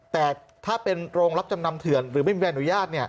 แต่ถ้าเป็นโรงรับจำนำเถื่อนหรือไม่มีใบอนุญาต